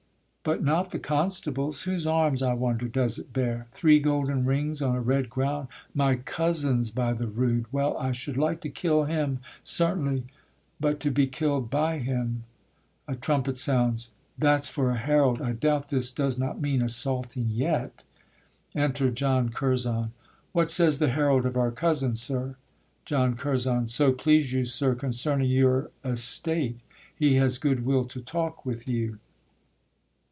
But not the constable's: whose arms, I wonder, does it bear? Three golden rings On a red ground; my cousin's by the rood! Well, I should like to kill him, certainly, But to be kill'd by him: [A trumpet sounds. That's for a herald; I doubt this does not mean assaulting yet. Enter John Curzon. What says the herald of our cousin, sir? JOHN CURZON. So please you, sir, concerning your estate, He has good will to talk with you.